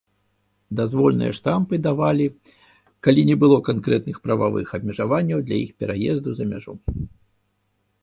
Дазвольныя штампы давалі, калі не было канкрэтных прававых абмежаванняў для іх пераезду за мяжу.